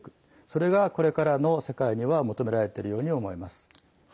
それが、これからの世界には求められているように思います。